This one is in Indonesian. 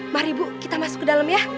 mari bu kita masuk ke dalam ya